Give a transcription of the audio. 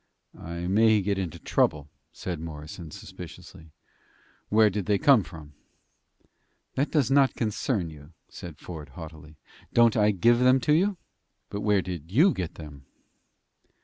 "I may get into trouble," said Morrison, suspiciously. "Where did they come from?" "That does not concern you," said Ford, haughtily. "Don't I give them to you?" "But where did you get them?"